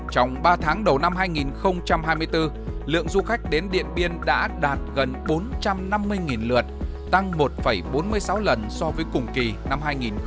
trong ba tháng đầu năm hai nghìn hai mươi bốn lượng du khách đến điện biên đã đạt gần bốn trăm năm mươi lượt tăng một bốn mươi sáu lần so với cùng kỳ năm hai nghìn hai mươi hai